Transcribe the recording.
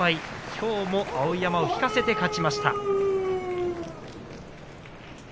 きょうも碧山を引かせて勝ちました。